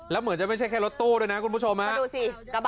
แล้วเหมือนจะไม่ใช่แค่รถตู้ด้วยนะคุณผู้ชม